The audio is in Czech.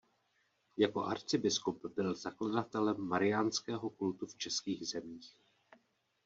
Jako arcibiskup byl zakladatelem mariánského kultu v českých zemích.